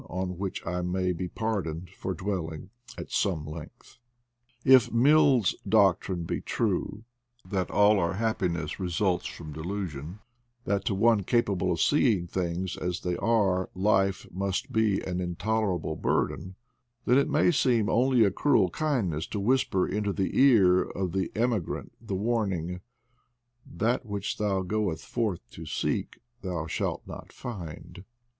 on which I may be pardoned for dwelling at some length. If Mill's doctrine be true, that all our happiness results from delusion, that to one capable of see ing things as they are life must be an intolerable burden, then it may seem only a cruel kindness to whisper into the ear of the emigrant the warn ing— " That which thou goeth forth to seek thou shalt not find.'